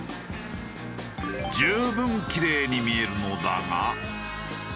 十分キレイに見えるのだが。